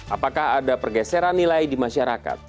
apakah ada pergeseran nilai di masyarakat